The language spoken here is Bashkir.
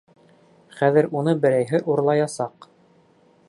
Хәҙер уны берәйһе урлаясаҡ.